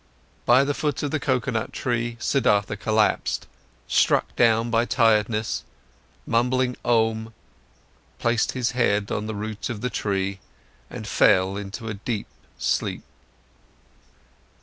By the foot of the coconut tree, Siddhartha collapsed, struck down by tiredness, mumbling Om, placed his head on the root of the tree and fell into a deep sleep.